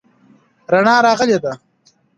رڼا راغلې ده.